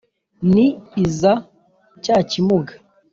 Ni iza cya Kimuga,